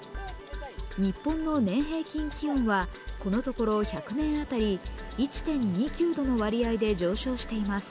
日本の年平均気温はこのところ１００年当たり１．２９度の割合で上昇しています。